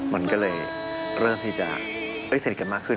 มันก็เลยเริ่มที่จะสนิทกันมากขึ้น